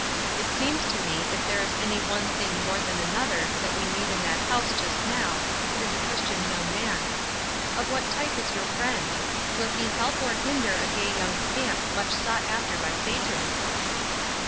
It seems to me if there is any one thing more than another that we need in that house just now it is a Christian young man. Of what type is your friend? Will he help or hinder a gay young scamp much sought after by Satan?"